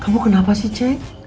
kamu kenapa sih cek